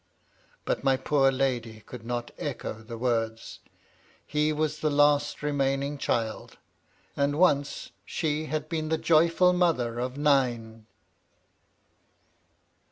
But my poor lady could not echo the words. He was the last remaining child. And once she had been the joyful mother of nine.